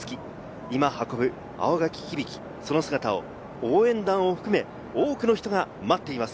今、運ぶ青柿響の姿を応援団を含め、多くの人が待っています。